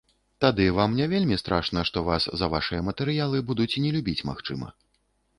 Тады вам не вельмі страшна, што вас за вашыя матэрыялы будуць не любіць, магчыма.